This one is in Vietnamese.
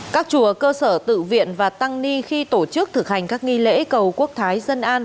các chùa cơ sở tự viện và tăng ni khi tổ chức thực hành các nghi lễ cầu quốc thái dân an